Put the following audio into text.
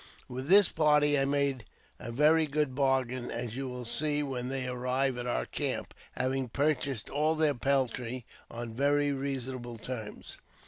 With this party I made a very good bargain, as you will see when they arrive at our camp, having purchased all their peltry on very reasonable terms."